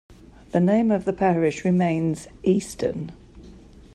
The name of the parish remains Easton.